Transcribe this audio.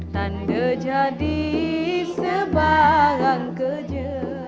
tanda jadi sebarang kerja